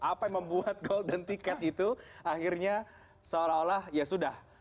apa yang membuat golden ticket itu akhirnya seolah olah ya sudah